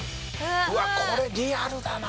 うわっこれリアルだな